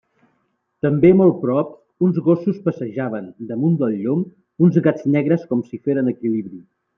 També molt prop, uns gossos passejaven, damunt del llom, uns gats negres com si feren equilibri.